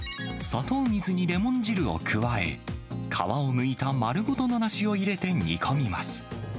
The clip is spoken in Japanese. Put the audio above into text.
砂糖水にレモン汁を加え、皮をむいた丸ごとの梨を入れて煮込みます。